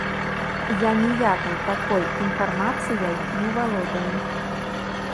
Я ніякай такой інфармацыяй не валодаю.